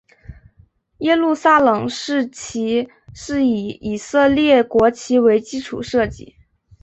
耶路撒冷市旗是以以色列国旗为基础设计。